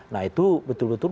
nah itu betul betul